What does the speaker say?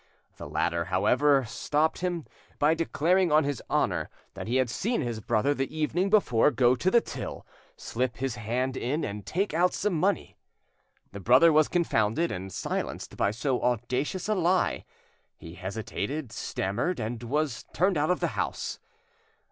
The latter, however, stopped him, by declaring on his honour that he had seen his brother the evening before go to the till, slip his hand in, and take out some money. The brother was confounded and silenced by so audacious a lie; he hesitated, stammered, and was turned out of the house.